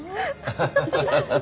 ハハハハ。